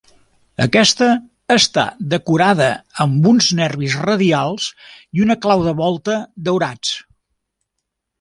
Aquesta està decorada amb uns nervis radials i una clau de volta daurats.